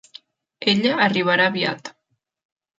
Ella arribarà aviat.